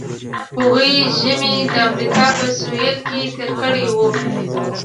هغوی ژمی د امریکا په سویل کې تیر کړی وي